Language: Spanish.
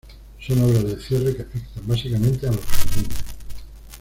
Son obras de cierre que afectan básicamente a los Jardines.